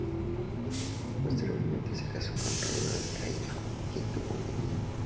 Posteriormente se casó con Raúl Alcaide, con quien tuvo un hijo.